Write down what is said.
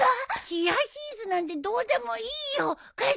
ヒヤシンスなんてどうでもいいよ。かよ